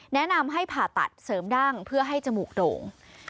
แนะนำให้ผ่าตัดเสริมดั้งเพื่อให้จมูกโด่ง